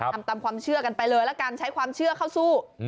ทำตามความเชื่อกันไปเลยละกันใช้ความเชื่อเข้าสู้